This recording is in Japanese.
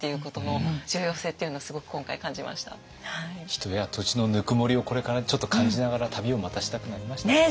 人や土地のぬくもりをこれからちょっと感じながら旅をまたしたくなりましたね。